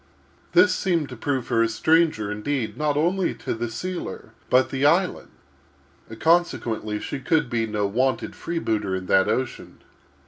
This seemed to prove her a stranger, indeed, not only to the sealer, but the island; consequently, she could be no wonted freebooter on that ocean.